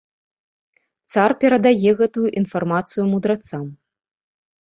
Цар перадае гэту інфармацыю мудрацам.